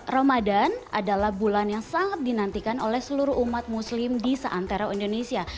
ramadan adalah bulan yang sangat dinantikan oleh seluruh umat muslim di seantera indonesia